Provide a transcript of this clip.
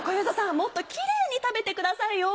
もっとキレイに食べてくださいよ。